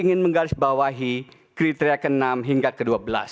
ingin menggarisbawahi kriteria ke enam hingga ke dua belas